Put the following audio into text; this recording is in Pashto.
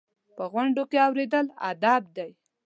په غونډو کې اورېدل ادب دی.